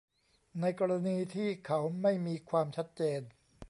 ในกรณีที่เขาไม่มีความชัดเจน